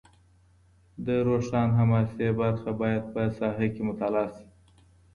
د روښان حماسي برخه باید په ساحه کي مطالعه سي.